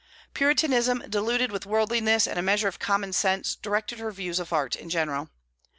Puritanism diluted with worldliness and a measure of common sense directed her views of art in general.